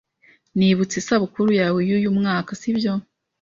Nibutse isabukuru yawe y'uyu mwaka, sibyo?